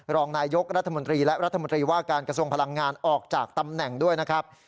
รองนายกรัฐมนตรีและรัฐมนตรีว่าการกระทรวงพลังงานออกจากตำแหน่งด้วยนะครับ